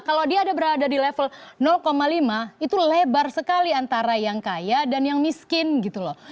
kalau dia ada berada di level lima itu lebar sekali antara yang kaya dan yang miskin gitu loh